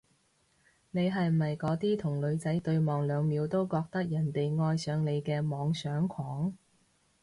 你係咪嗰啲同女仔對望兩秒就覺得人哋愛上你嘅妄想狂？